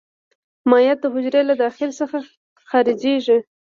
مایعات د حجرې له داخل څخه خارجيږي.